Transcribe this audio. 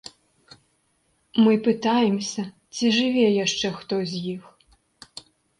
Мы пытаемся, ці жыве яшчэ хто з іх.